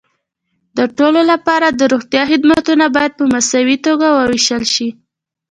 د ټولو لپاره د روغتیا خدمتونه باید په مساوي توګه وېشل شي.